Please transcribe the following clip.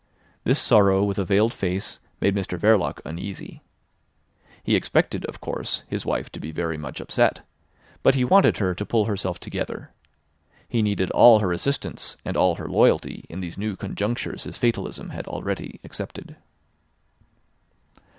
This sorrow with a veiled face made Mr Verloc uneasy. He expected, of course, his wife to be very much upset, but he wanted her to pull herself together. He needed all her assistance and all her loyalty in these new conjunctures his fatalism had already accepted.